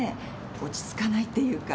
落ち着かないっていうか。